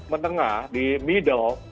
menengah di middle